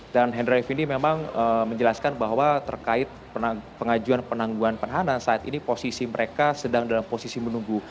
dan henry fnd memang menjelaskan bahwa terkait pengajuan penangguhan penahanan saat ini posisi mereka sedang dalam posisi menunggu